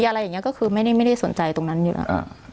อะไรอย่างนี้ก็คือไม่ได้สนใจตรงนั้นอยู่แล้ว